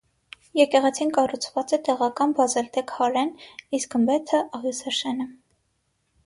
Եկեղեցին կառուցուած է տեղական բազալտէ քարէն, իսկ գմբեթը աղիւսաշեն է։